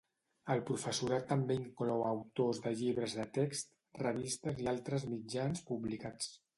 El professorat també inclou autors de llibres de text, revistes i altres mitjans publicats.